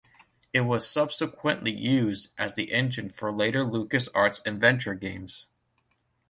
It was subsequently used as the engine for later LucasArts adventure games.